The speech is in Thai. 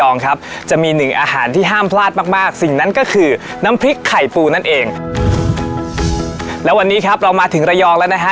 นั่นก็คือน้ำพริกไข่ปูนั่นเองแล้ววันนี้ครับเรามาถึงระยองแล้วนะฮะ